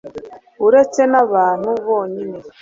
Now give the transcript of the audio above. uretse n'abantu bonyine